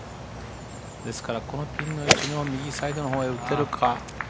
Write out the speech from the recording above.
ですから、このピンの位置の右サイドのほうに打てるか。